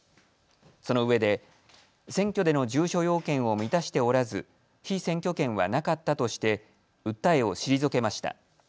そのうえで選挙での住所要件を満たしておらず被選挙権はなかったとして訴えを退けました。